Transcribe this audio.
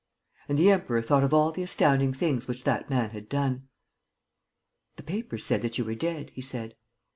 And the Emperor thought of all the astounding things which that man had done. "The papers said that you were dead," he said.